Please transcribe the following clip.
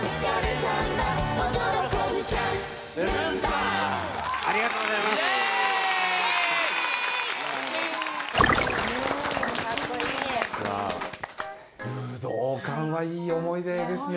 さあ武道館はいい思い出ですね。